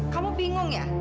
kamu bingung ya